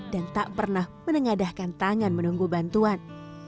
dan tak pernah menengadahkan tangan menunggu bantuan